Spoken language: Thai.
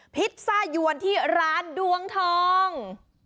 พิซซ่ายวนที่ร้านดวงทอง